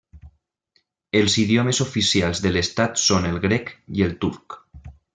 Els idiomes oficials de l'estat són el grec i el turc.